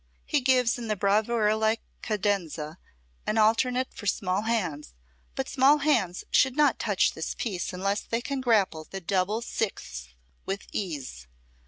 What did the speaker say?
He gives in the bravura like cadenza, an alternate for small hands, but small hands should not touch this piece unless they can grapple the double sixths with ease.